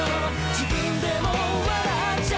自分でも笑っちゃうくらい」